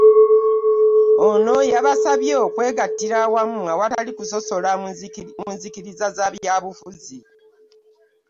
Ono yabasabye okwegattira awamu awatali kusososola mu nzikiriza za byabufuzi.